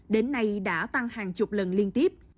đến nay đã tăng hàng chục lần liên tiếp